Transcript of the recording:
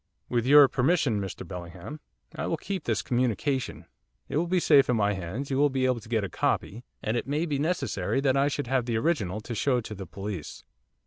'With your permission, Mr Bellingham, I will keep this communication, it will be safe in my hands, you will be able to get a copy, and it may be necessary that I should have the original to show to the police.